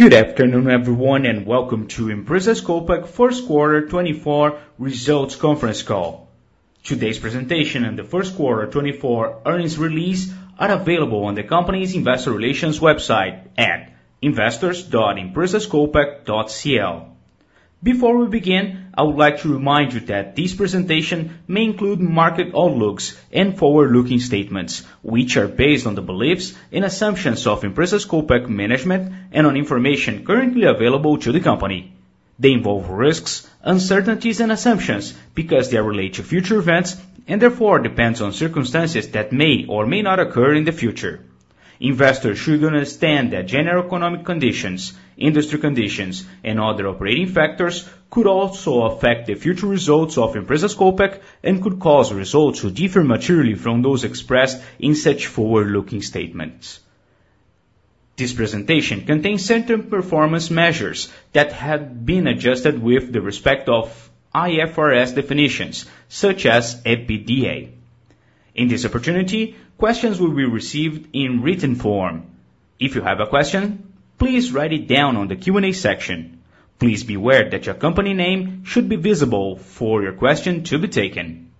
Good afternoon everyone and welcome to Empresas Copec First Quarter 2024 Results Conference Call. Today's presentation and the First Quarter 2024 Earnings Release are available on the company's investor relations website at investors.empresascopec.cl. Before we begin, I would like to remind you that this presentation may include market outlooks and forward-looking statements, which are based on the beliefs and assumptions of Empresas Copec management and on information currently available to the company. They involve risks, uncertainties, and assumptions because they are related to future events and therefore depend on circumstances that may or may not occur in the future. Investors should understand that general economic conditions, industry conditions, and other operating factors could also affect the future results of Empresas Copec and could cause results to differ materially from those expressed in such forward-looking statements. This presentation contains certain performance measures that have been adjusted with respect to IFRS definitions such as EBITDA. In this opportunity, questions will be received in written form. If you have a question, please write it down on the Q&A section. Please beware that your company name should be visible for your question to be taken.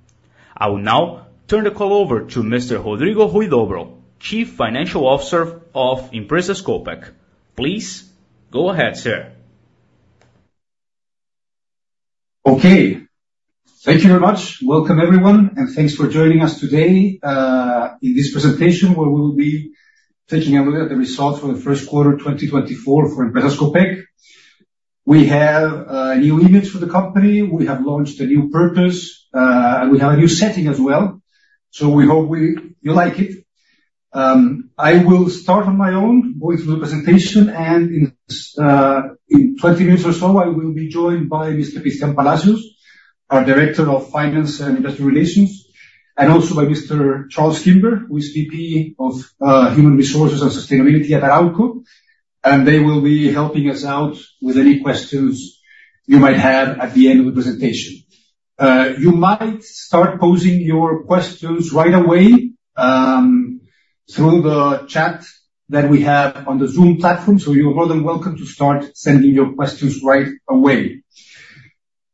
I will now turn the call over to Mr. Rodrigo Huidobro, Chief Financial Officer of Empresas Copec. Please go ahead, sir. Okay, thank you very much. Welcome everyone, and thanks for joining us today in this presentation where we will be taking a look at the results for the first quarter 2024 for Empresas Copec. We have new image for the company, we have launched a new purpose, and we have a new setting as well, so we hope you like it. I will start on my own going through the presentation, and in 20 minutes or so I will be joined by Mr. Cristián Palacios, our Director of Finance and Investor Relations, and also by Mr. Charles Kimber, who is VP of Human Resources and Sustainability at Arauco, and they will be helping us out with any questions you might have at the end of the presentation. You might start posing your questions right away through the chat that we have on the Zoom platform, so you are more than welcome to start sending your questions right away.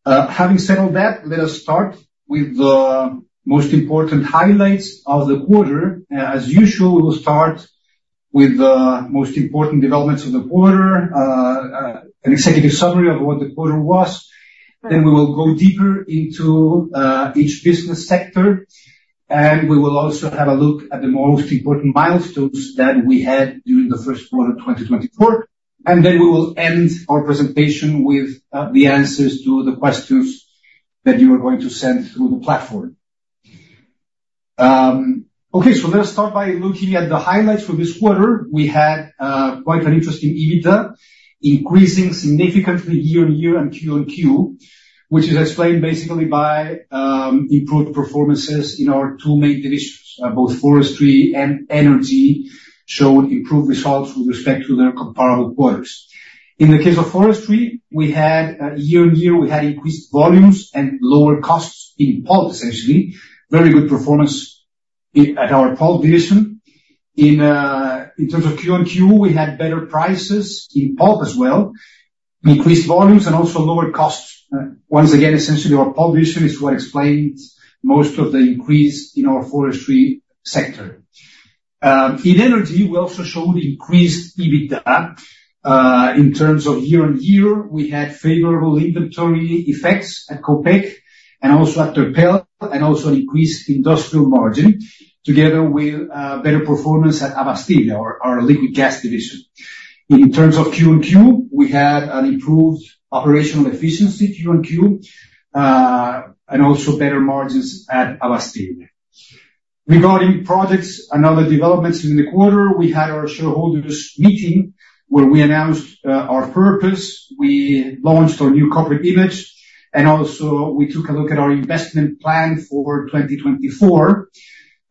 Having said all that, let us start with the most important highlights of the quarter. As usual, we will start with the most important developments of the quarter, an executive summary of what the quarter was, then we will go deeper into each business sector, and we will also have a look at the most important milestones that we had during the first quarter 2024, and then we will end our presentation with the answers to the questions that you are going to send through the platform. Okay, so let us start by looking at the highlights for this quarter. We had quite an interesting EBITDA increasing significantly year-over-year and Q-over-Q, which is explained basically by improved performances in our two main divisions, both Forestry and Energy, showing improved results with respect to their comparable quarters. In the case of Forestry, we had year-over-year, we had increased volumes and lower costs in pulp, essentially, very good performance at our pulp division. In terms of Q-over-Q, we had better prices in pulp as well, increased volumes, and also lower costs. Once again, essentially, our pulp division is what explained most of the increase in our Forestry sector. In Energy, we also showed increased EBITDA. In terms of year-over-year, we had favorable inventory effects at Copec and also at Terpel, and also an increased industrial margin together with better performance at Abastible, our liquid gas division. In terms of Q on Q, we had an improved operational efficiency Q on Q and also better margins at Abastible. Regarding projects and other developments during the quarter, we had our shareholders' meeting where we announced our purpose, we launched our new corporate image, and also we took a look at our investment plan for 2024.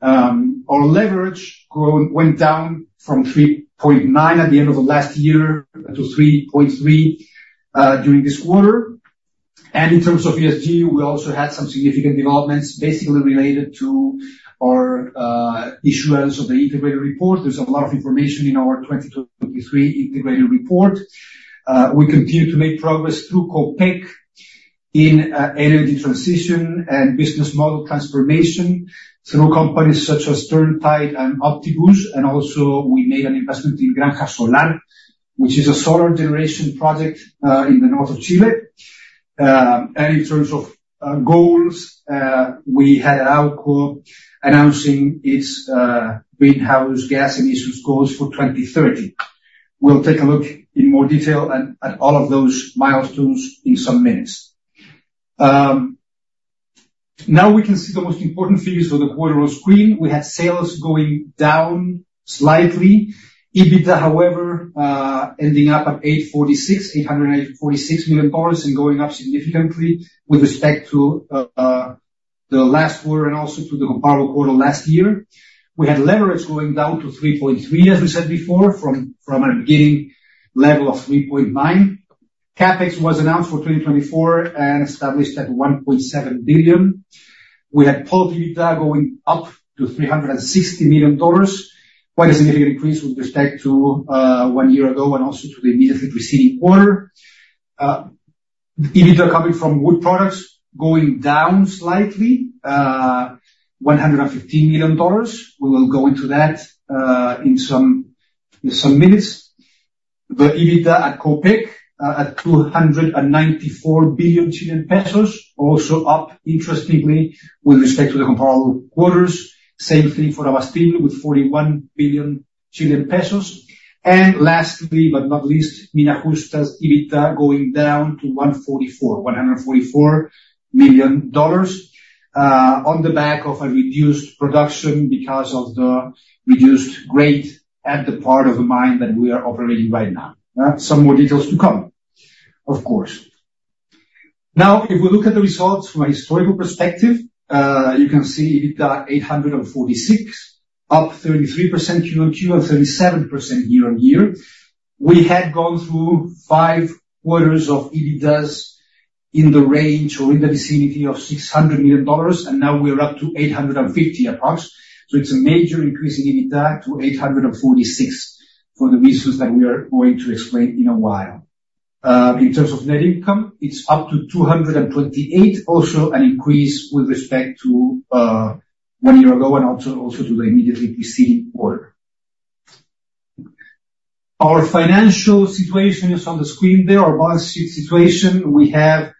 Our leverage went down from 3.9 at the end of the last year to 3.3 during this quarter. And in terms of ESG, we also had some significant developments basically related to our issuance of the integrated report. There's a lot of information in our 2023 integrated report. We continue to make progress through Copec in energy transition and business model transformation through companies such as Turntide and Optibus, and also we made an investment in Granja Solar, which is a solar generation project in the north of Chile. In terms of goals, we had Arauco announcing its greenhouse gas emissions goals for 2030. We'll take a look in more detail at all of those milestones in some minutes. Now we can see the most important figures for the quarter on screen. We had sales going down slightly, EBITDA, however, ending up at $846 million and going up significantly with respect to the last quarter and also to the comparable quarter last year. We had leverage going down to 3.3, as we said before, from a beginning level of 3.9. CapEx was announced for 2024 and established at $1.7 billion. We had pulp EBITDA going up to $360 million, quite a significant increase with respect to one year ago and also to the immediately preceding quarter. EBITDA coming from wood products going down slightly, $115 million. We will go into that in some minutes. The EBITDA at Copec at 294 billion Chilean pesos also up, interestingly, with respect to the comparable quarters. Same thing for Abastible with 41 billion Chilean pesos. And lastly, but not least, Mina Justa's EBITDA going down to $144 million. On the back of a reduced production because of the reduced grade at the part of the mine that we are operating right now. Some more details to come, of course. Now, if we look at the results from a historical perspective, you can see EBITDA $846 million, up 33% Q on Q and 37% year on year. We had gone through five quarters of EBITDAs in the range or in the vicinity of $600 million, and now we are up to $850 million approximately. So it's a major increase in EBITDA to $846 million for the reasons that we are going to explain in a while. In terms of net income, it's up to 228, also an increase with respect to one year ago and also to the immediately preceding quarter. Our financial situation is on the screen there, our balance sheet situation. We have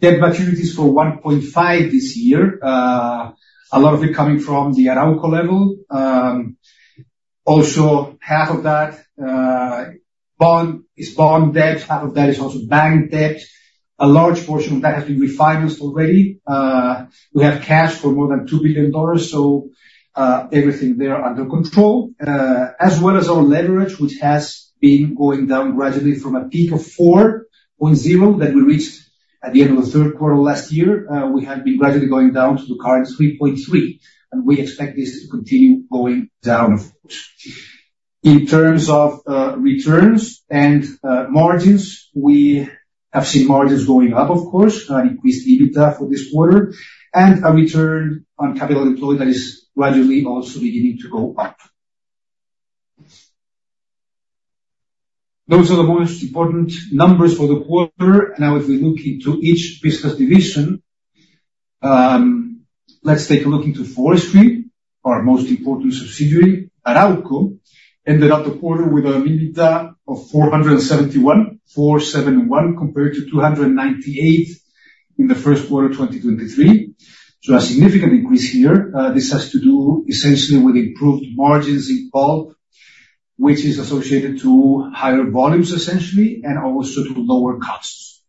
debt maturities for $1.5 billion this year, a lot of it coming from the Arauco level. Also, half of that is bond debt, half of that is also bank debt. A large portion of that has been refinanced already. We have cash for more than $2 billion, so everything there under control, as well as our leverage, which has been going down gradually from a peak of 4.0 that we reached at the end of the third quarter last year. We have been gradually going down to the current 3.3, and we expect this to continue going down, of course. In terms of returns and margins, we have seen margins going up, of course, an increased EBITDA for this quarter, and a return on capital employed that is gradually also beginning to go up. Those are the most important numbers for the quarter. Now, if we look into each business division, let's take a look into Forestry, our most important subsidiary, Arauco, ended up the quarter with an EBITDA of $471 million, compared to $298 million in the first quarter 2023. So a significant increase here. This has to do essentially with improved margins in pulp, which is associated to higher volumes, essentially, and also to lower costs.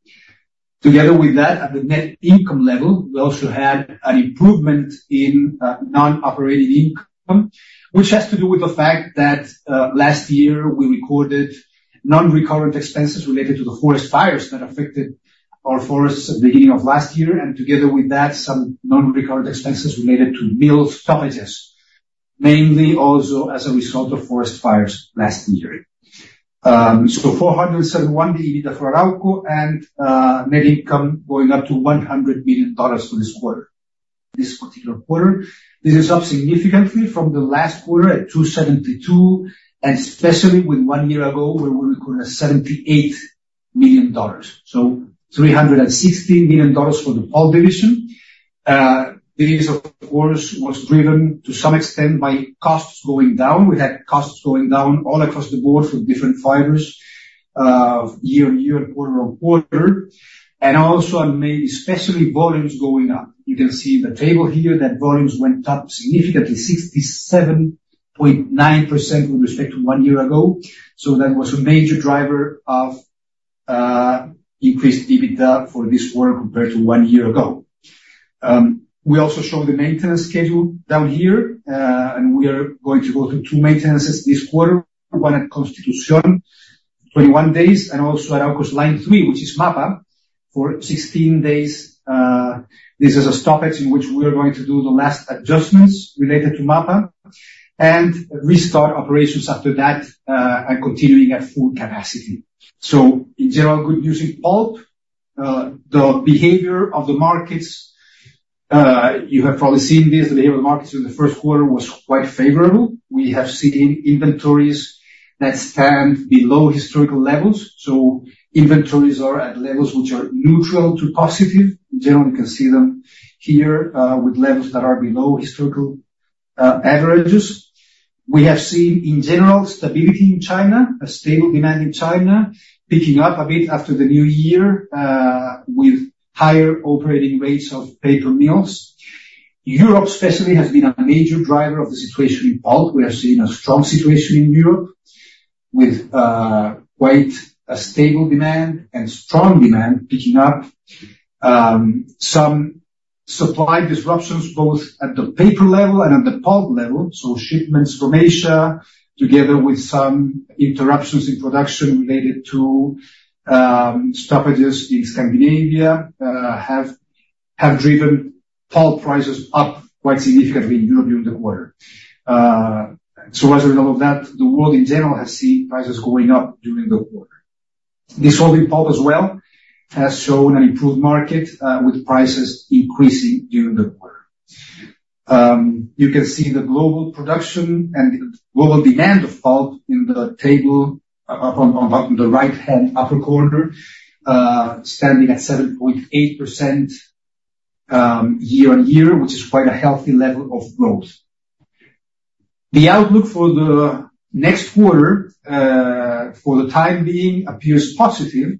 Together with that, at the net income level, we also had an improvement in non-operating income, which has to do with the fact that last year we recorded non-recurrent expenses related to the forest fires that affected our forests at the beginning of last year, and together with that, some non-recurrent expenses related to mill stoppages, mainly also as a result of forest fires last year. So $471 million EBITDA for Arauco and net income going up to $100 million for this quarter. This particular quarter. This is up significantly from the last quarter at $272 million, and especially with one year ago where we recorded $78 million, so $360 million for the pulp division. This, of course, was driven to some extent by costs going down. We had costs going down all across the board for different fibers year-over-year and quarter-over-quarter, and also especially volumes going up. You can see in the table here that volumes went up significantly, 67.9% with respect to one year ago. So that was a major driver of increased EBITDA for this quarter compared to one year ago. We also show the maintenance schedule down here, and we are going to go through two maintenances this quarter, one at Constitución, 21 days, and also Arauco's line three, which is MAPA, for 16 days. This is a stoppage in which we are going to do the last adjustments related to MAPA and restart operations after that and continuing at full capacity. So in general, good news in pulp. The behavior of the markets, you have probably seen this, the behavior of the markets in the first quarter was quite favorable. We have seen inventories that stand below historical levels. So inventories are at levels which are neutral to positive. In general, you can see them here with levels that are below historical averages. We have seen, in general, stability in China, a stable demand in China, picking up a bit after the new year with higher operating rates of paper mills. Europe, especially, has been a major driver of the situation in pulp. We have seen a strong situation in Europe with quite a stable demand and strong demand picking up. Some supply disruptions both at the paper level and at the pulp level, so shipments from Asia together with some interruptions in production related to stoppages in Scandinavia have driven pulp prices up quite significantly in Europe during the quarter. As a result of that, the world in general has seen prices going up during the quarter. dissolving pulp as well has shown an improved market with prices increasing during the quarter. You can see the global production and global demand of pulp in the table on the right-hand upper corner standing at 7.8% year-on-year, which is quite a healthy level of growth. The outlook for the next quarter, for the time being, appears positive.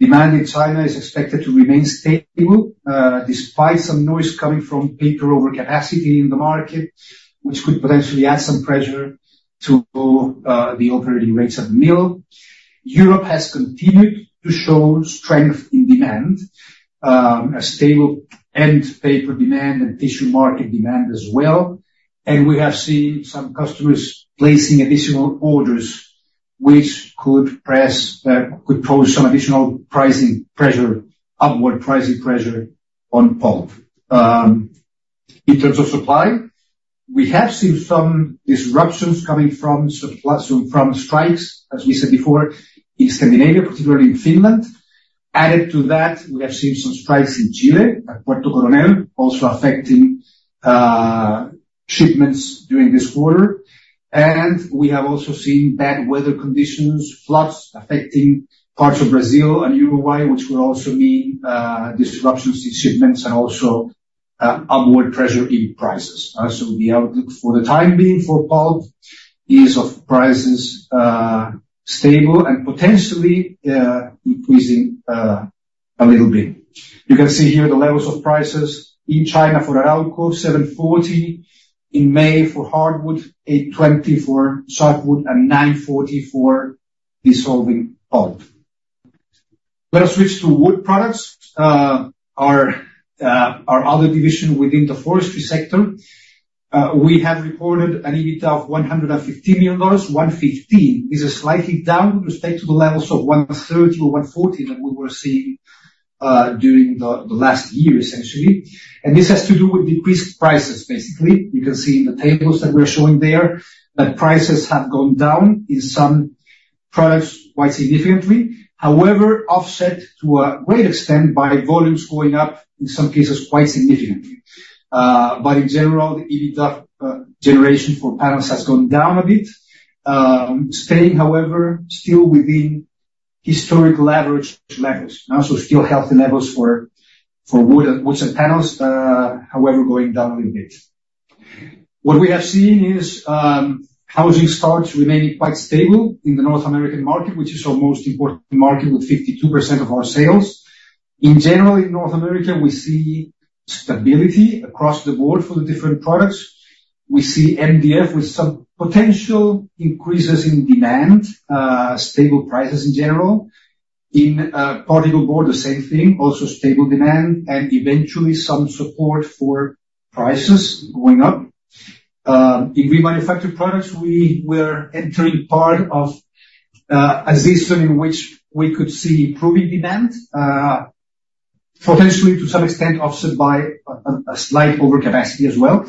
Demand in China is expected to remain stable despite some noise coming from paper overcapacity in the market, which could potentially add some pressure to the operating rates at the mill. Europe has continued to show strength in demand, a stable end paper demand and tissue market demand as well. We have seen some customers placing additional orders, which could pose some additional pricing pressure, upward pricing pressure on pulp. In terms of supply, we have seen some disruptions coming from strikes, as we said before, in Scandinavia, particularly in Finland. Added to that, we have seen some strikes in Chile at Puerto Coronel, also affecting shipments during this quarter. We have also seen bad weather conditions, floods affecting parts of Brazil and Uruguay, which would also mean disruptions in shipments and also upward pressure in prices. The outlook for the time being for pulp is of prices stable and potentially increasing a little bit. You can see here the levels of prices in China for Arauco, $740; in May for hardwood, $820 for softwood, and $940 for dissolving pulp. Let us switch to wood products, our other division within the forestry sector. We have reported an EBITDA of $115 million. $115, this is slightly down with respect to the levels of $130 or $140 that we were seeing during the last year, essentially. And this has to do with decreased prices, basically. You can see in the tables that we are showing there that prices have gone down in some products quite significantly, however, offset to a great extent by volumes going up, in some cases, quite significantly. But in general, the EBITDA generation for panels has gone down a bit, staying, however, still within historic leverage levels, so still healthy levels for wood and panels, however, going down a little bit. What we have seen is housing starts remaining quite stable in the North American market, which is our most important market with 52% of our sales. In general, in North America, we see stability across the board for the different products. We see MDF with some potential increases in demand, stable prices in general. In particle board, the same thing, also stable demand and eventually some support for prices going up. In remanufactured products, we were entering part of a season in which we could see improving demand, potentially to some extent offset by a slight overcapacity as well.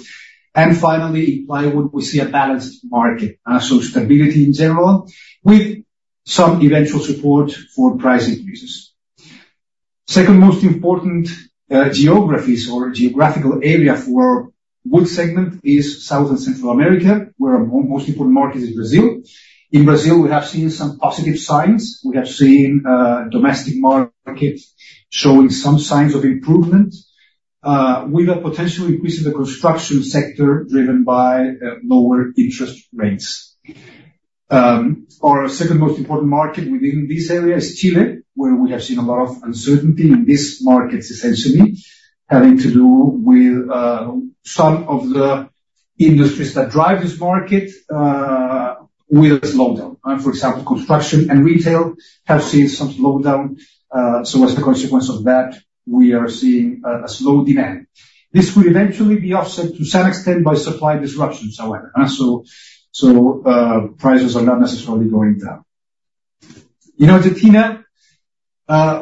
And finally, in plywood, we see a balanced market, so stability in general with some eventual support for price increases. Second most important geographies or geographical area for wood segment is South and Central America, where our most important market is Brazil. In Brazil, we have seen some positive signs. We have seen domestic markets showing some signs of improvement with a potential increase in the construction sector driven by lower interest rates. Our second most important market within this area is Chile, where we have seen a lot of uncertainty in these markets, essentially, having to do with some of the industries that drive this market with a slowdown. For example, construction and retail have seen some slowdown. So as a consequence of that, we are seeing a slow demand. This could eventually be offset to some extent by supply disruptions, however, so prices are not necessarily going down. In Argentina,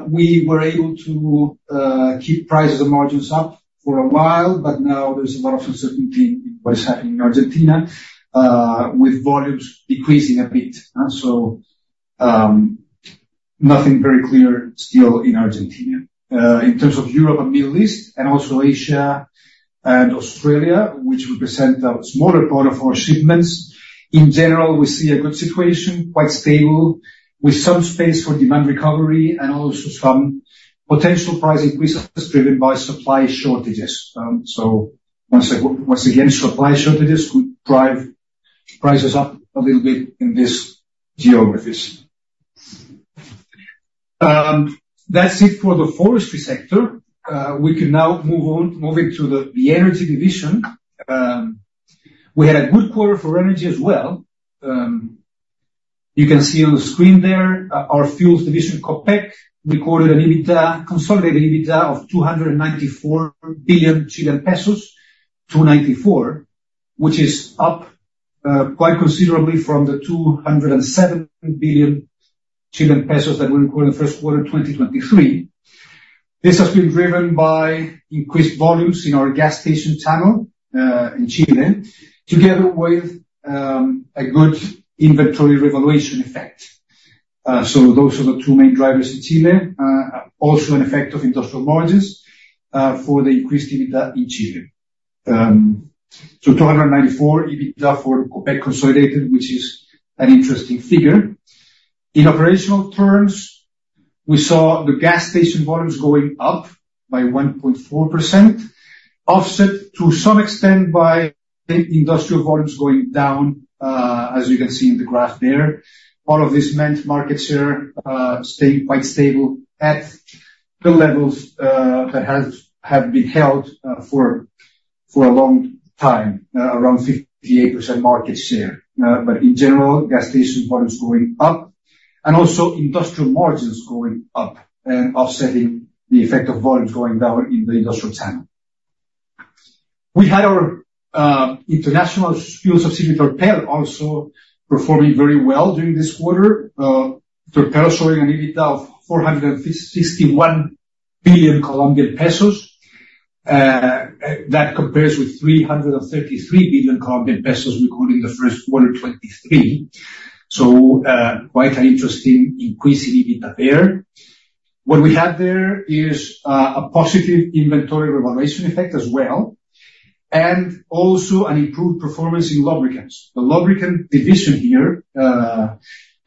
we were able to keep prices and margins up for a while, but now there's a lot of uncertainty in what is happening in Argentina with volumes decreasing a bit. So nothing very clear still in Argentina. In terms of Europe and Middle East and also Asia and Australia, which represent a smaller part of our shipments, in general, we see a good situation, quite stable, with some space for demand recovery and also some potential price increases driven by supply shortages. So once again, supply shortages could drive prices up a little bit in these geographies. That's it for the forestry sector. We can now move on, move into the energy division. We had a good quarter for energy as well. You can see on the screen there, our fuels division, Copec, recorded a consolidated EBITDA of CLP 294 billion, 294, which is up quite considerably from the 207 billion Chilean pesos that we recorded in the first quarter 2023. This has been driven by increased volumes in our gas station tunnel in Chile together with a good inventory revaluation effect. So those are the two main drivers in Chile, also an effect of industrial margins for the increased EBITDA in Chile. So 294 EBITDA for Copec consolidated, which is an interesting figure. In operational terms, we saw the gas station volumes going up by 1.4%, offset to some extent by industrial volumes going down, as you can see in the graph there. All of this meant markets here staying quite stable at the levels that have been held for a long time, around 58% market share. But in general, gas station volumes going up and also industrial margins going up and offsetting the effect of volumes going down in the industrial tunnel. We had our international fuel subsidiary, Terpel, also performing very well during this quarter. Terpel is showing an EBITDA of COP 461 billion. That compares with COP 333 billion recorded in the first quarter 2023. So quite an interesting increase in EBITDA there. What we had there is a positive inventory revaluation effect as well and also an improved performance in lubricants. The lubricant division here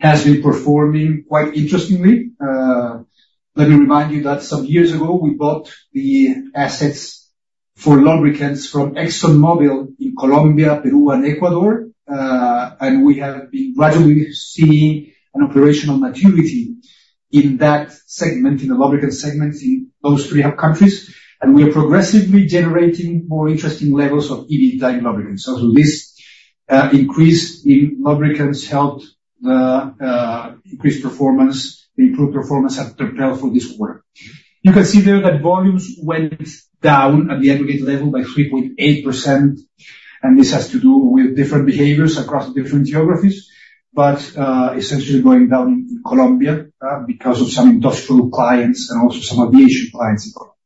has been performing quite interestingly. Let me remind you that some years ago, we bought the assets for lubricants from ExxonMobil in Colombia, Peru, and Ecuador. And we have been gradually seeing an operational maturity in that segment, in the lubricant segment, in those three countries. And we are progressively generating more interesting levels of EBITDA in lubricants. So this increase in lubricants helped increase performance, the improved performance at Terpel for this quarter. You can see there that volumes went down at the aggregate level by 3.8%. And this has to do with different behaviors across different geographies, but essentially going down in Colombia because of some industrial clients and also some aviation clients in Colombia.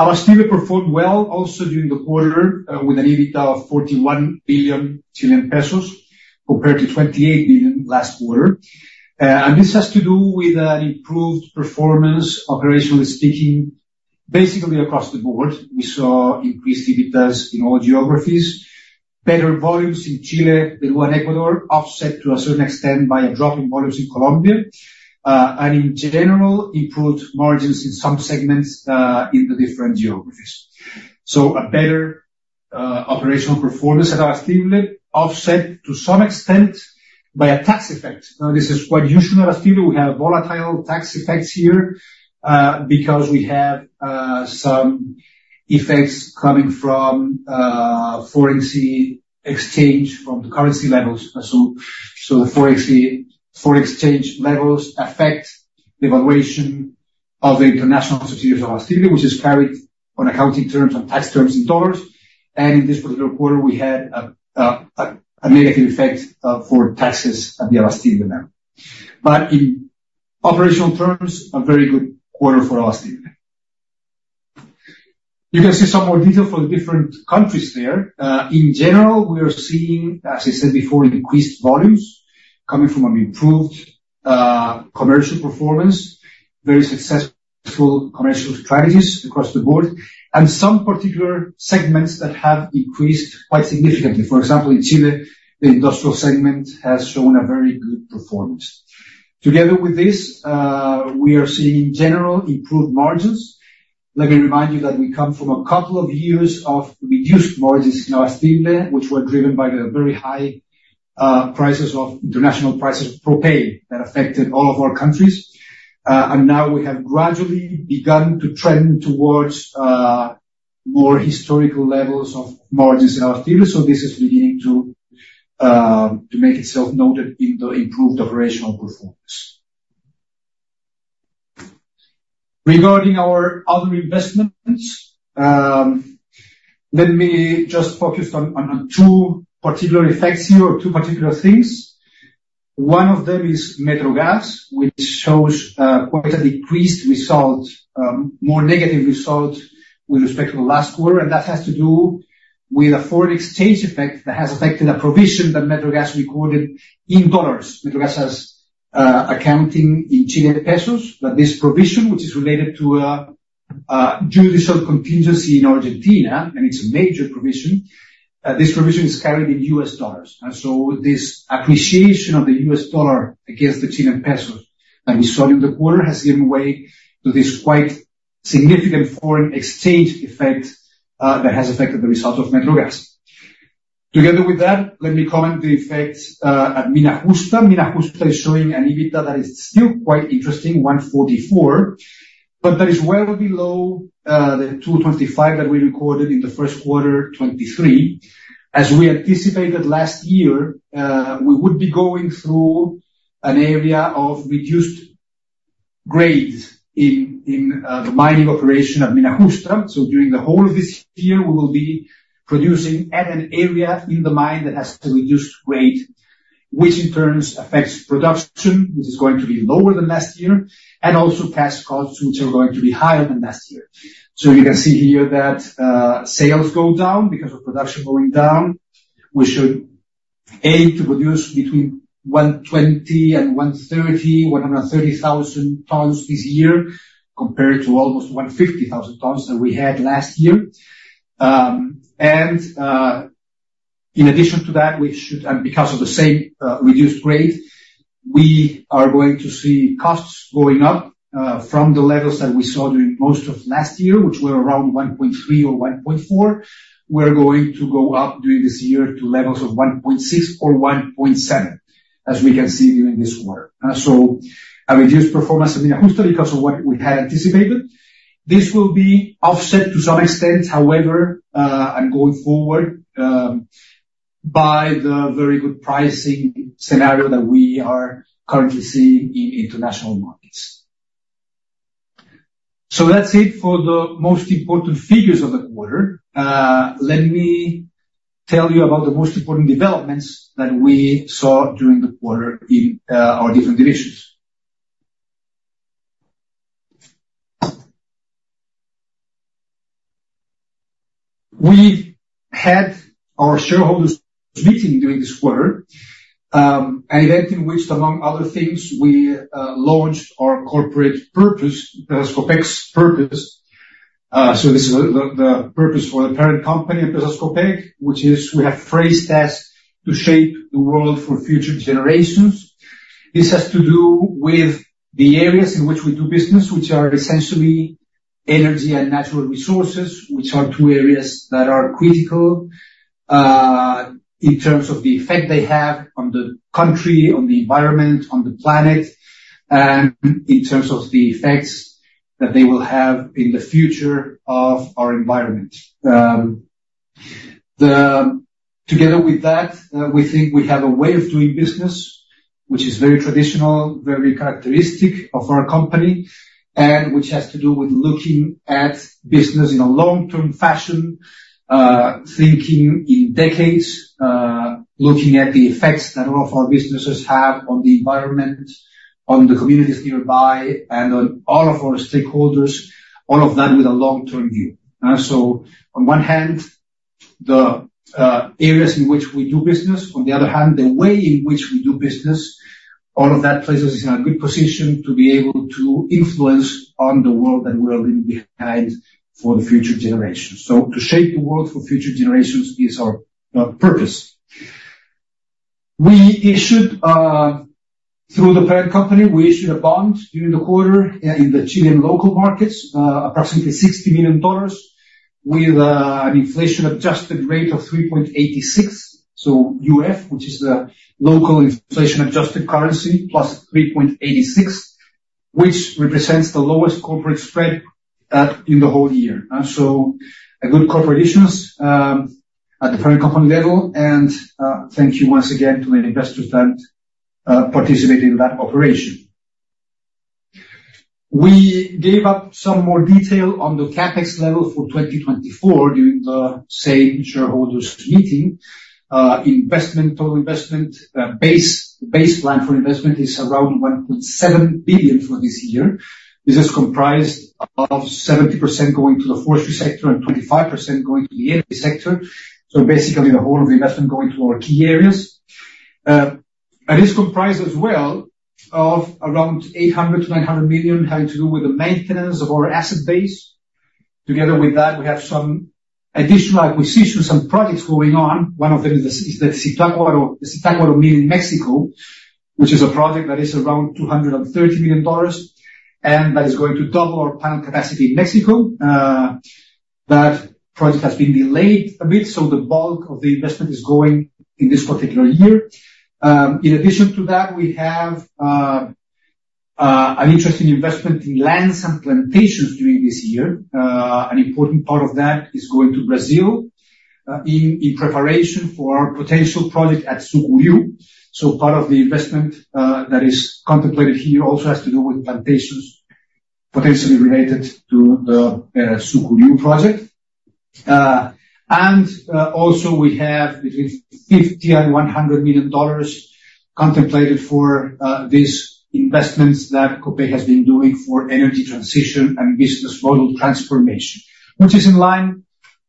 Abastible performed well also during the quarter with an EBITDA of 41 billion Chilean pesos compared to 28 billion last quarter. This has to do with an improved performance, operationally speaking, basically across the board. We saw increased EBITDAs in all geographies, better volumes in Chile, Peru, and Ecuador, offset to a certain extent by a drop in volumes in Colombia, and in general, improved margins in some segments in the different geographies. A better operational performance at Abastible offset to some extent by a tax effect. Now, this is quite usual at Abastible. We have volatile tax effects here because we have some effects coming from foreign exchange, from the currency levels. The foreign exchange levels affect the valuation of the international subsidiaries of Abastible, which is carried on accounting terms and tax terms in dollars. In this particular quarter, we had a negative effect for taxes at the Abastible level. In operational terms, a very good quarter for Abastible. You can see some more detail for the different countries there. In general, we are seeing, as I said before, increased volumes coming from an improved commercial performance, very successful commercial strategies across the board, and some particular segments that have increased quite significantly. For example, in Chile, the industrial segment has shown a very good performance. Together with this, we are seeing, in general, improved margins. Let me remind you that we come from a couple of years of reduced margins in Abastible, which were driven by the very high international prices of propane that affected all of our countries. And now we have gradually begun to trend towards more historical levels of margins in Abastible. So this is beginning to make itself noted in the improved operational performance. Regarding our other investments, let me just focus on two particular effects here or two particular things. One of them is Metrogas, which shows quite a decreased result, more negative result with respect to the last quarter. And that has to do with a foreign exchange effect that has affected a provision that Metrogas recorded in dollars. Metrogas has accounting in Chilean pesos. But this provision, which is related to a judicial contingency in Argentina, and it's a major provision, this provision is carried in US dollars. So this appreciation of the US dollar against the Chilean pesos that we saw during the quarter has given way to this quite significant foreign exchange effect that has affected the results of Metrogas. Together with that, let me comment the effect at Mina Justa. Justa is showing an EBITDA that is still quite interesting, $144 million, but that is well below the $225 million that we recorded in the first quarter 2023. As we anticipated last year, we would be going through an area of reduced grades in the mining operation at Mina Justa. So during the whole of this year, we will be producing at an area in the mine that has reduced grade, which in turn affects production, which is going to be lower than last year, and also cash costs, which are going to be higher than last year. So you can see here that sales go down because of production going down. We should aim to produce between 120,000 and 130,000 tons this year compared to almost 150,000 tons that we had last year. In addition to that, because of the same reduced grade, we are going to see costs going up from the levels that we saw during most of last year, which were around $1.3 or $1.4. We're going to go up during this year to levels of $1.6 or $1.7, as we can see during this quarter. A reduced performance at Mina Justa because of what we had anticipated. This will be offset to some extent, however, and going forward by the very good pricing scenario that we are currently seeing in international markets. That's it for the most important figures of the quarter. Let me tell you about the most important developments that we saw during the quarter in our different divisions. We had our shareholders' meeting during this quarter, an event in which, among other things, we launched our corporate purpose, Empresas Copec's purpose. So this is the purpose for the parent company at Empresas Copec, which is we have phrased as to shape the world for future generations. This has to do with the areas in which we do business, which are essentially energy and natural resources, which are two areas that are critical in terms of the effect they have on the country, on the environment, on the planet, and in terms of the effects that they will have in the future of our environment. Together with that, we think we have a way of doing business, which is very traditional, very characteristic of our company, and which has to do with looking at business in a long-term fashion, thinking in decades, looking at the effects that all of our businesses have on the environment, on the communities nearby, and on all of our stakeholders, all of that with a long-term view. So on one hand, the areas in which we do business. On the other hand, the way in which we do business, all of that places us in a good position to be able to influence on the world that we are leaving behind for the future generations. So to shape the world for future generations is our purpose. Through the parent company, we issued a bond during the quarter in the Chilean local markets, approximately $60 million, with an inflation-adjusted rate of 3.86, so UF, which is the local inflation-adjusted currency, plus 3.86, which represents the lowest corporate spread in the whole year. So a good corporate issue at the parent company level. And thank you once again to the investors that participated in that operation. We gave up some more detail on the CapEx level for 2024 during the same shareholders' meeting. Total investment base plan for investment is around $1.7 billion for this year. This is comprised of 70% going to the forestry sector and 25% going to the energy sector. So basically, the whole of the investment going to our key areas. It is comprised as well of around $800 million-$900 million having to do with the maintenance of our asset base. Together with that, we have some additional acquisitions, some projects going on. One of them is the Citácuaro, the Zitácuaro Mill in Mexico, which is a project that is around $230 million and that is going to double our panel capacity in Mexico. That project has been delayed a bit, so the bulk of the investment is going in this particular year. In addition to that, we have an interesting investment in lands and plantations during this year. An important part of that is going to Brazil in preparation for our potential project at Sucuriú. So part of the investment that is contemplated here also has to do with plantations potentially related to the Sucuriú project. And also, we have between $50 million and $100 million contemplated for these investments that Copec has been doing for energy transition and business model transformation, which is in line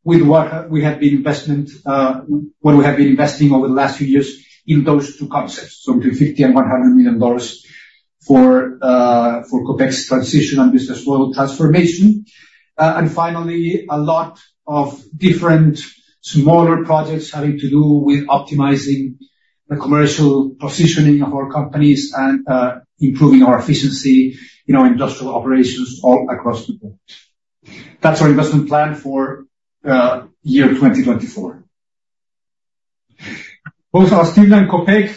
with what we have been investing what we have been investing over the last few years in those two concepts. So between $50 million and $100 million for Copec's transition and business model transformation. And finally, a lot of different smaller projects having to do with optimizing the commercial positioning of our companies and improving our efficiency, industrial operations, all across the board. That's our investment plan for year 2024. Both Abastible and Copec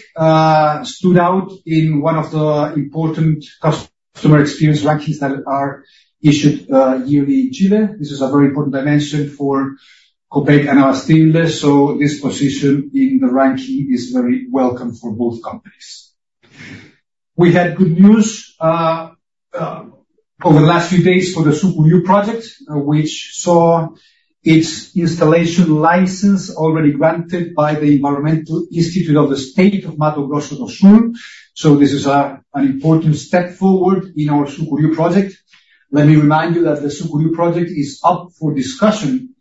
stood out in one of the important customer experience rankings that are issued yearly in Chile. This is a very important dimension for Copec and Abastible. This position in the ranking is very welcome for both companies. We had good news over the last few days for the Sucuriú project, which saw its installation license already granted by the Environmental Institute of the State of Mato Grosso do Sul. This is an important step forward in our Sucuriú project. Let me remind you that the Sucuriú project is up for discussion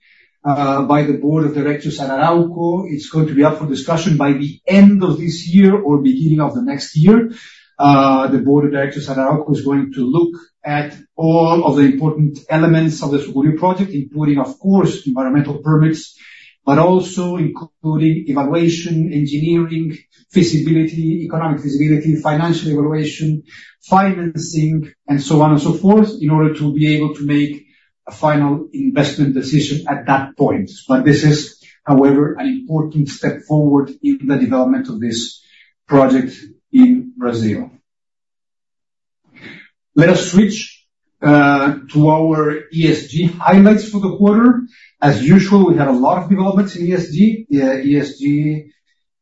by the Board of Directors at Arauco. It's going to be up for discussion by the end of this year or beginning of the next year. The Board of Directors at Arauco is going to look at all of the important elements of the Sucuriú project, including, of course, environmental permits, but also including evaluation, engineering, economic feasibility, financial evaluation, financing, and so on and so forth in order to be able to make a final investment decision at that point. But this is, however, an important step forward in the development of this project in Brazil. Let us switch to our ESG highlights for the quarter. As usual, we had a lot of developments in ESG. ESG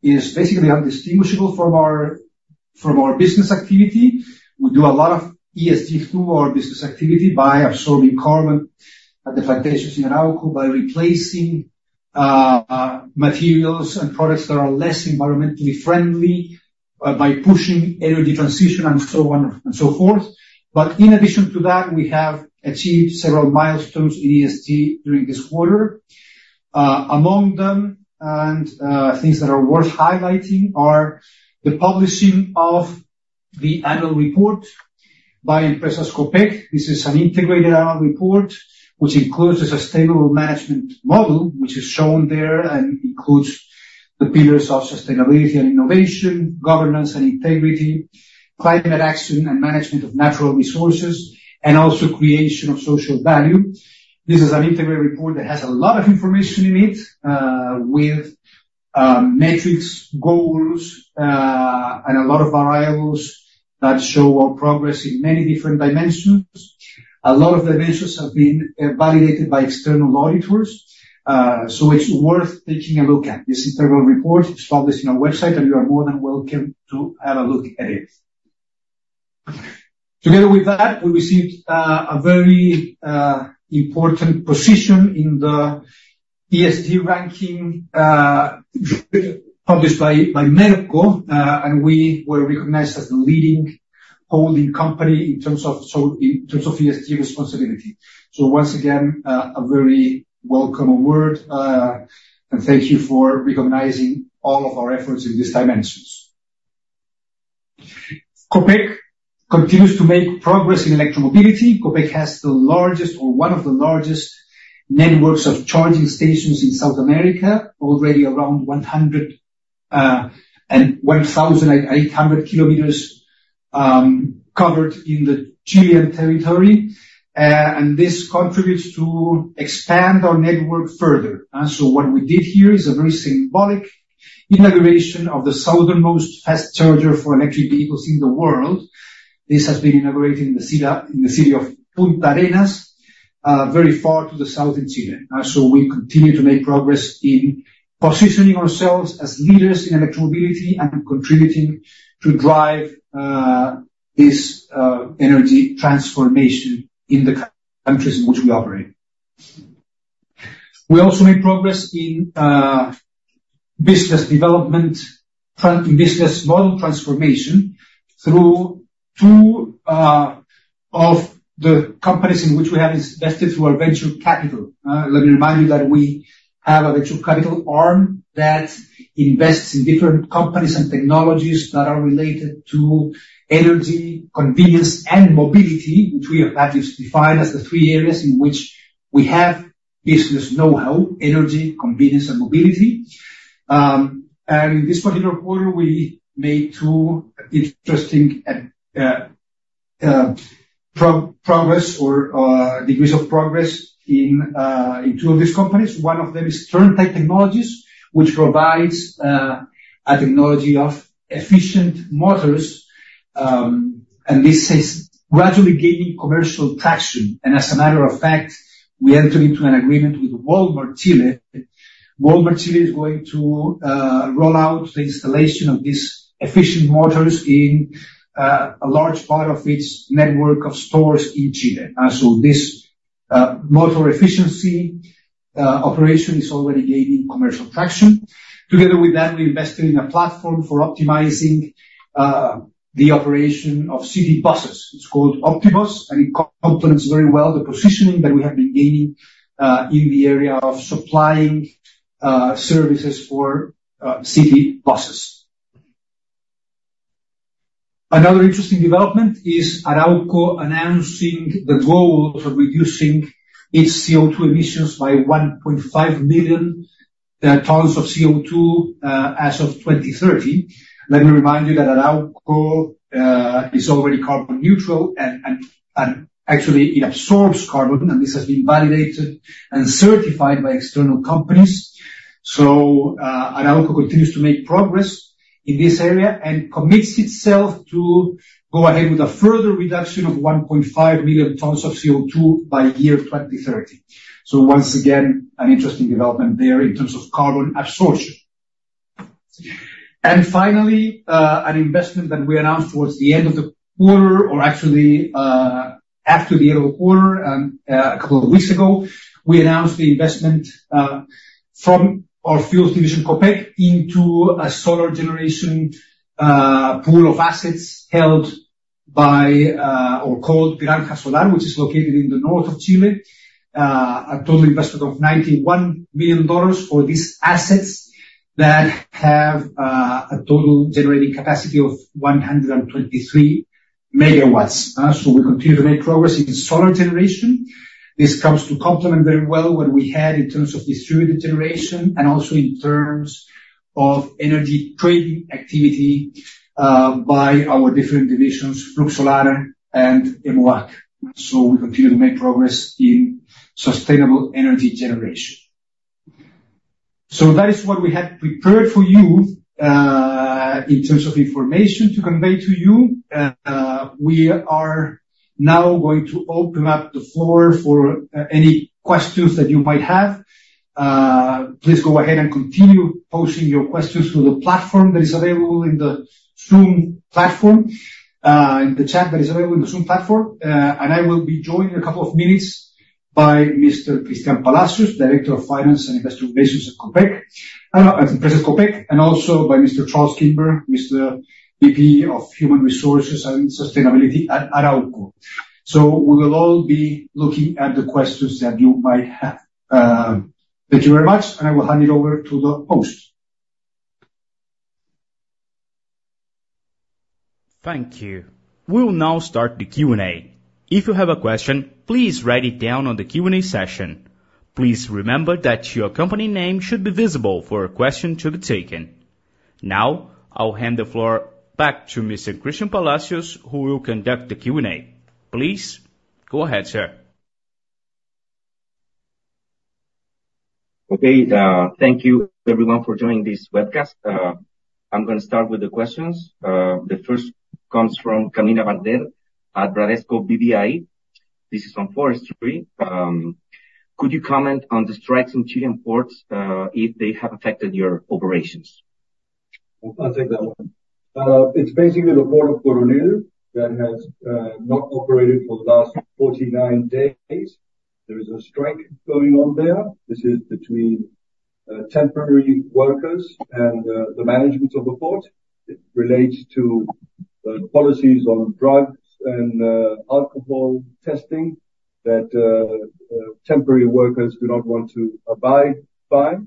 is basically undistinguishable from our business activity. We do a lot of ESG through our business activity by absorbing carbon at the plantations in Arauco, by replacing materials and products that are less environmentally friendly, by pushing energy transition, and so on and so forth. But in addition to that, we have achieved several milestones in ESG during this quarter. Among them and things that are worth highlighting are the publishing of the annual report by Empresas Copec. This is an integrated annual report, which includes a sustainable management model, which is shown there and includes the pillars of sustainability and innovation, governance and integrity, climate action and management of natural resources, and also creation of social value. This is an integrated report that has a lot of information in it with metrics, goals, and a lot of variables that show our progress in many different dimensions. A lot of dimensions have been validated by external auditors, so it's worth taking a look at. This integrated report is published on our website, and you are more than welcome to have a look at it. Together with that, we received a very important position in the ESG ranking published by Merco, and we were recognized as the leading holding company in terms of ESG responsibility. So once again, a very welcome award, and thank you for recognizing all of our efforts in these dimensions. Copec continues to make progress in electromobility. Copec has the largest or one of the largest networks of charging stations in South America, already around 1,800 kilometers covered in the Chilean territory. This contributes to expand our network further. So what we did here is a very symbolic inauguration of the southernmost fast charger for electric vehicles in the world. This has been inaugurated in the city of Punta Arenas, very far to the south in Chile. So we continue to make progress in positioning ourselves as leaders in electromobility and contributing to drive this energy transformation in the countries in which we operate. We also made progress in business development, business model transformation through two of the companies in which we have invested through our venture capital. Let me remind you that we have a venture capital arm that invests in different companies and technologies that are related to energy, convenience, and mobility, which we have defined as the three areas in which we have business know-how: energy, convenience, and mobility. And in this particular quarter, we made two interesting progress or degrees of progress in two of these companies. One of them is Turntide Technologies, which provides a technology of efficient motors, and this is gradually gaining commercial traction. And as a matter of fact, we entered into an agreement with Walmart Chile. Walmart Chile is going to roll out the installation of these efficient motors in a large part of its network of stores in Chile. So this motor efficiency operation is already gaining commercial traction. Together with that, we invested in a platform for optimizing the operation of city buses. It's called Optibus, and it complements very well the positioning that we have been gaining in the area of supplying services for city buses. Another interesting development is Arauco announcing the goal of reducing its CO2 emissions by 1.5 million tons of CO2 as of 2030. Let me remind you that Arauco is already carbon neutral and actually it absorbs carbon, and this has been validated and certified by external companies. So Arauco continues to make progress in this area and commits itself to go ahead with a further reduction of 1.5 million tons of CO2 by year 2030. So once again, an interesting development there in terms of carbon absorption. And finally, an investment that we announced towards the end of the quarter or actually after the end of the quarter and a couple of weeks ago, we announced the investment from our fuels division, Copec, into a solar generation pool of assets held by or called Granja Solar, which is located in the north of Chile, a total investment of $91 million for these assets that have a total generating capacity of 123 megawatts. So we continue to make progress in solar generation. This comes to complement very well what we had in terms of distributed generation and also in terms of energy trading activity by our different divisions, Flux Solar and EMOAC. So we continue to make progress in sustainable energy generation. So that is what we had prepared for you in terms of information to convey to you. We are now going to open up the floor for any questions that you might have. Please go ahead and continue posting your questions through the platform that is available in the Zoom platform, in the chat that is available in the Zoom platform. And I will be joined in a couple of minutes by Mr. Cristián Palacios, Director of Finance and Investment Relations at Empresas Copec, and also by Mr. Charles Kimber, VP of Human Resources and Sustainability at Arauco. So we will all be looking at the questions that you might have. Thank you very much, and I will hand it over to the host. Thank you. We'll now start the Q&A. If you have a question, please write it down on the Q&A session. Please remember that your company name should be visible for a question to be taken. Now, I'll hand the floor back to Mr. Cristián Palacios, who will conduct the Q&A. Please go ahead, sir. Okay. Thank you, everyone, for joining this webcast. I'm going to start with the questions. The first comes from Camilla Barder at Bradesco BBI. This is on forestry. Could you comment on the strikes in Chilean ports if they have affected your operations? I'll take that one. It's basically the Port of Coronel that has not operated for the last 49 days. There is a strike going on there. This is between temporary workers and the management of the port. It relates to policies on drugs and alcohol testing that temporary workers do not want to abide by.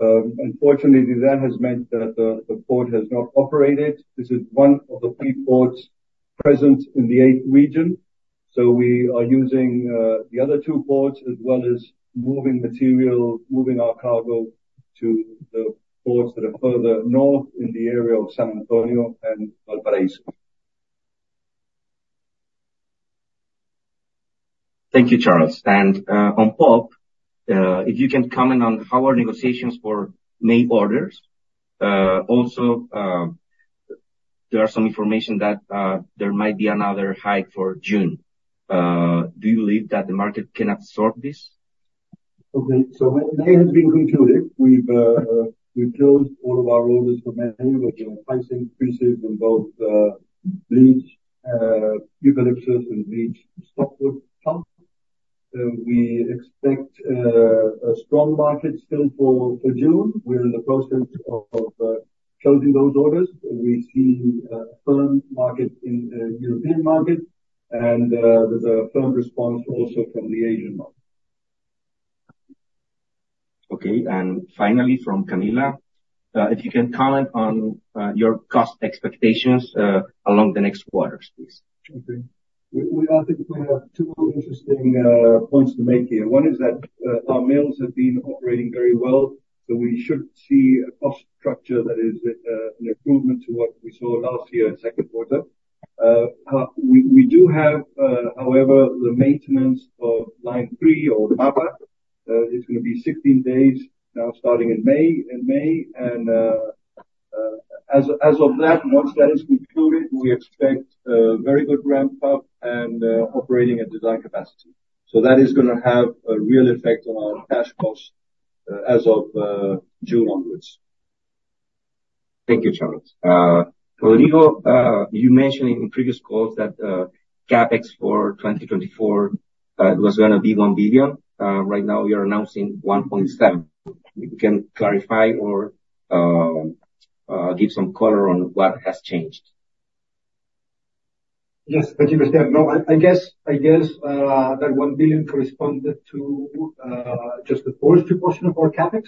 Unfortunately, that has meant that the port has not operated. This is one of the three ports present in the eight region. So we are using the other two ports as well as moving material, moving our cargo to the ports that are further north in the area of San Antonio and Valparaíso. Thank you, Charles. On POP, if you can comment on how our negotiations for May orders. Also, there are some information that there might be another hike for June. Do you believe that the market can absorb this? Okay. So May has been concluded. We've closed all of our orders for May with price increases in both bleached eucalyptus and bleached softwood pulp. We expect a strong market still for June. We're in the process of closing those orders. We see a firm market in the European market, and there's a firm response also from the Asian market. Okay. Finally, from Camilla, if you can comment on your cost expectations along the next quarters, please? Okay. I think we have two interesting points to make here. One is that our mills have been operating very well, so we should see a cost structure that is an improvement to what we saw last year in second quarter. We do have, however, the maintenance of line three or MAPA. It's going to be 16 days now starting in May. And as of that, once that is concluded, we expect a very good ramp-up and operating at design capacity. So that is going to have a real effect on our cash costs as of June onwards. Thank you, Charles. Rodrigo, you mentioned in previous calls that CapEx for 2024 was going to be $1 billion. Right now, you're announcing $1.7 billion. If you can clarify or give some color on what has changed. Yes. Thank you, Cristián. No, I guess that $1 billion corresponded to just the forestry portion of our CapEx.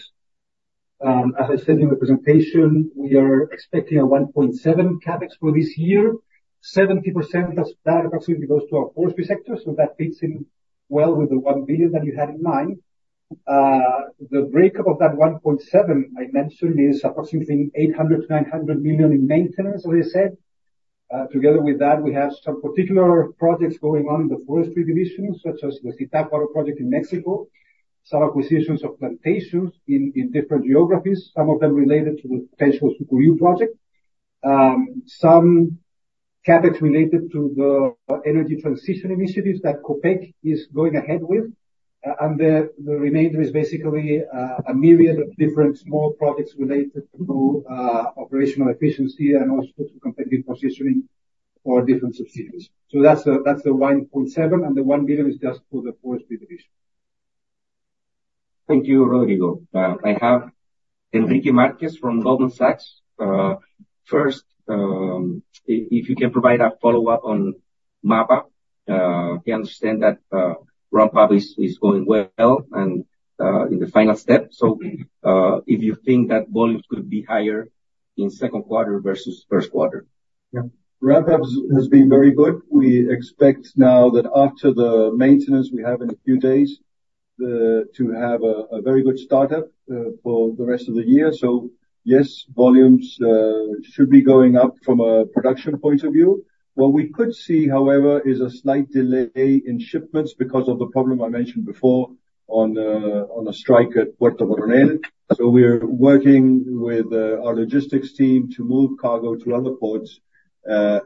As I said in the presentation, we are expecting a $1.7 billion CapEx for this year. 70% of that approximately goes to our forestry sector, so that fits in well with the $1 billion that you had in mind. The breakup of that $1.7 billion I mentioned is approximately $800 million-$900 million in maintenance, as I said. Together with that, we have some particular projects going on in the forestry division, such as the Zitácuaro Project in Mexico, some acquisitions of plantations in different geographies, some of them related to the potential Sucuriú project, some CapEx related to the energy transition initiatives that Copec is going ahead with. And the remainder is basically a myriad of different small projects related to operational efficiency and also to competitive positioning for different subsidies. That's the $1.7 billion, and the $1 billion is just for the forestry division. Thank you, Rodrigo. I have Henrique Marques from Goldman Sachs. First, if you can provide a follow-up on MAPA. We understand that ramp-up is going well and in the final step. So if you think that volumes could be higher in second quarter versus first quarter? Yeah. Ramp-up has been very good. We expect now that after the maintenance we have in a few days, to have a very good startup for the rest of the year. So yes, volumes should be going up from a production point of view. What we could see, however, is a slight delay in shipments because of the problem I mentioned before on a strike at Puerto Coronel. So we're working with our logistics team to move cargo to other ports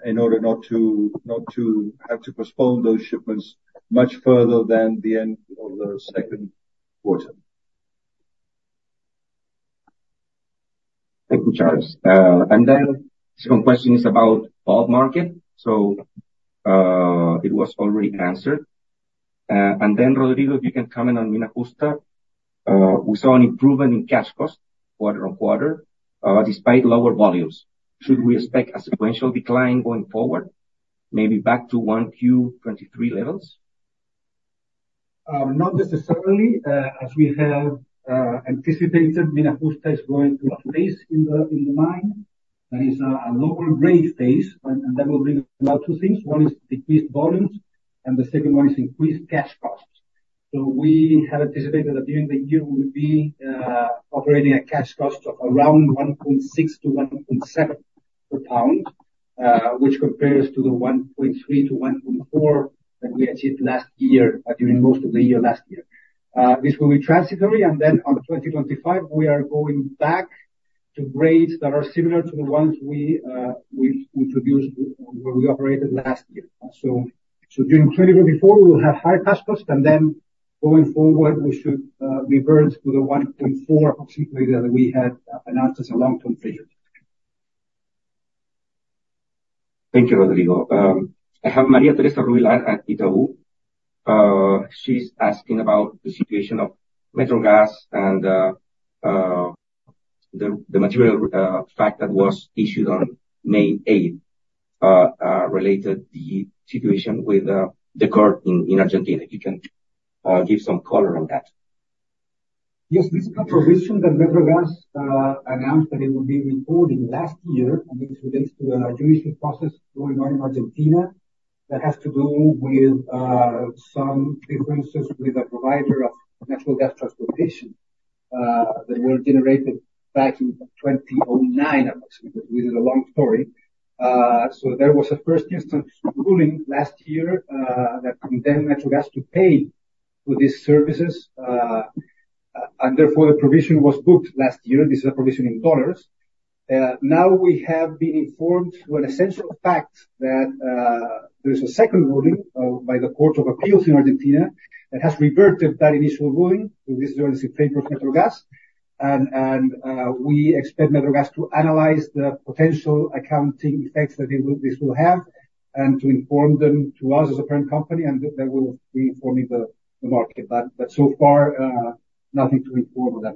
in order not to have to postpone those shipments much further than the end of the second quarter. Thank you, Charles. The second question is about bulk market, so it was already answered. Rodrigo, if you can comment on Mina Justa. We saw an improvement in cash cost quarter-on-quarter despite lower volumes. Should we expect a sequential decline going forward, maybe back to 1Q2023 levels? Not necessarily. As we have anticipated, Mina Justa is going to have a phase in the mine that is a lower grade phase, and that will bring about two things. One is decreased volumes, and the second one is increased cash costs. So we have anticipated that during the year, we will be operating at cash costs of around $1.6-$1.7 per pound, which compares to the $1.3-$1.4 that we achieved last year during most of the year last year. This will be transitory, and then on 2025, we are going back to grades that are similar to the ones we introduced where we operated last year. So during 2024, we will have high cash costs, and then going forward, we should revert to the $1.4 approximately that we had announced as a long-term vision. Thank you, Rodrigo. I have María Teresa Ruiz at Itaú. She's asking about the situation of Metrogas and the material fact that was issued on May 8th related to the situation with the court in Argentina. If you can give some color on that. Yes. This is not provision that Metrogas announced that it would be reporting last year. I think it relates to a judicial process going on in Argentina that has to do with some differences with a provider of natural gas transportation that were generated back in 2009 approximately. This is a long story. So there was a first instance ruling last year that condemned Metrogas to pay for these services, and therefore, the provision was booked last year. This is a provision in US dollars. Now, we have been informed through an essential fact that there is a second ruling by the Court of Appeals in Argentina that has reverted that initial ruling. This is already in favor of Metrogas, and we expect Metrogas to analyze the potential accounting effects that this will have and to inform them to us as a parent company, and that we will be informing the market. But so far, nothing to inform on that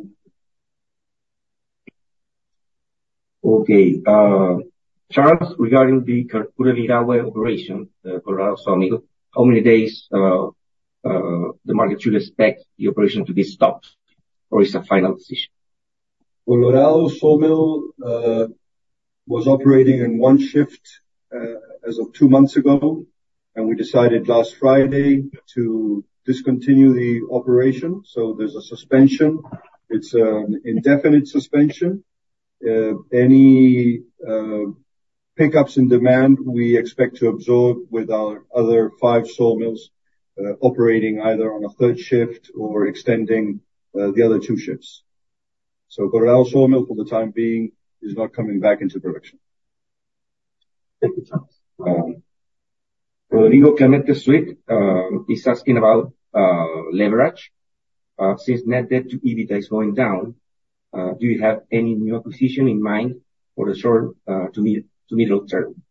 matter. Okay. Charles, regarding the Coronel Railway operation, Colorado Sawmill, how many days the market should expect the operation to be stopped, or is it a final decision? Colorado Sawmill was operating in one shift as of two months ago, and we decided last Friday to discontinue the operation. So there's a suspension. It's an indefinite suspension. Any pickups in demand, we expect to absorb with our other five sawmills operating either on a third shift or extending the other two shifts. So Colorado Sawmill, for the time being, is not coming back into production. Thank you, Charles. Rodrigo Clemente Swett is asking about leverage. Since net debt to EBITDA is going down, do you have any new acquisition in mind for the short to middle term?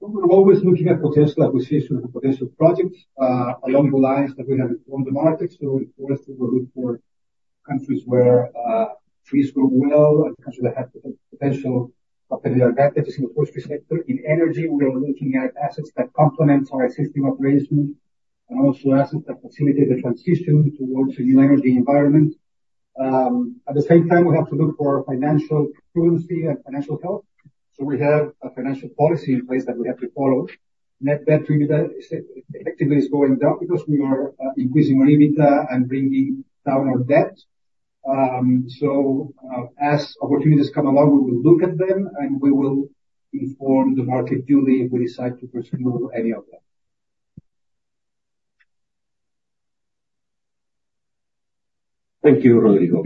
We're always looking at potential acquisition and potential projects along the lines that we have informed the market. So in forestry, we'll look for countries where trees grow well and countries that have potential comparative advantages in the forestry sector. In energy, we are looking at assets that complement our existing operations and also assets that facilitate the transition towards a new energy environment. At the same time, we have to look for financial prudence and financial health. So we have a financial policy in place that we have to follow. Net Debt to EBITDA effectively is going down because we are increasing our EBITDA and bringing down our debt. So as opportunities come along, we will look at them, and we will inform the market duly if we decide to pursue any of them. Thank you, Rodrigo.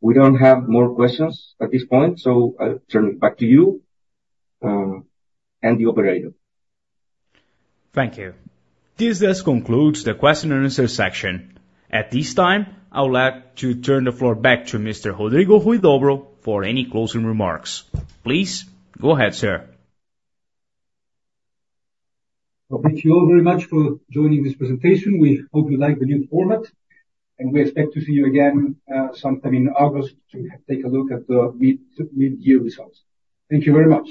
We don't have more questions at this point, so I'll turn it back to you and the operator. Thank you. This concludes the question-and-answer section. At this time, I'll like to turn the floor back to Mr. Rodrigo Huidobro for any closing remarks. Please go ahead, sir. Well, thank you all very much for joining this presentation. We hope you like the new format, and we expect to see you again sometime in August to take a look at the mid-year results. Thank you very much.